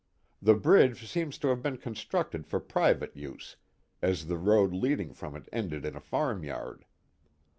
The bridge seems to have been constructed for private use as the road leading from it ended in a farm yard.